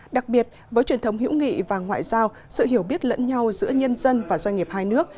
đặc biệt với truyền thống hữu nghị và ngoại giao sự hiểu biết lẫn nhau giữa nhân dân và doanh nghiệp hai nước